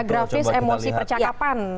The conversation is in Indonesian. grafis emosi percakapan